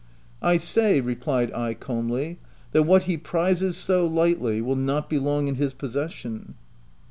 " I say," replied J, calmly, " that what he prizes so lightly, will not be long in his pos session."